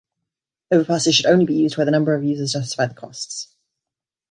Overpasses should only be used where the number of users justify the costs.